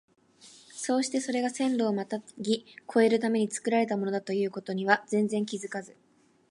そうしてそれが線路をまたぎ越えるために造られたものだという事には全然気づかず、